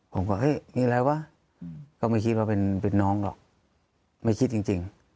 ผมก็เฮ้ยมีอะไรวะก็ไม่คิดว่าเป็นน้องหรอกไม่คิดจริง